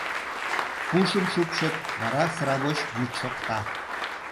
Пушым шупшыт, вара сравоч йӱк шокта.